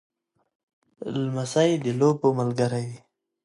لمسی د لوبو ملګری وي.